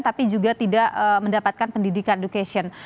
tapi juga tidak mendapatkan pendidikan education